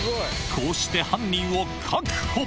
こうして犯人を確保。